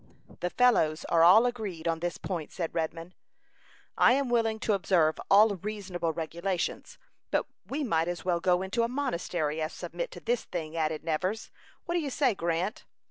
"The fellows are all agreed on this point," said Redman. "I am willing to observe all reasonable regulations, but we might as well go into a monastery as submit to this thing," added Nevers. "What do you say, Grant?"